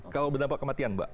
kalau berdapat kematian mbak